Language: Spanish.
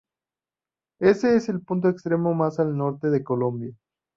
Es el punto extremo más al norte de Colombia.